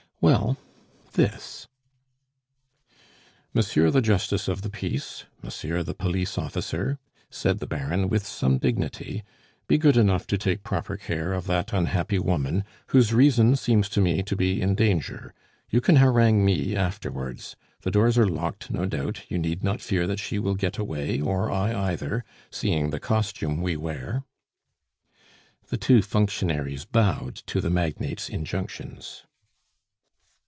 Well, this: "Monsieur the Justice of the Peace, Monsieur the Police Officer," said the Baron with some dignity, "be good enough to take proper care of that unhappy woman, whose reason seems to me to be in danger. You can harangue me afterwards. The doors are locked, no doubt; you need not fear that she will get away, or I either, seeing the costume we wear." The two functionaries bowed to the magnate's injunctions.